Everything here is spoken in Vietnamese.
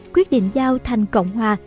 quyết định giao thành cộng hòa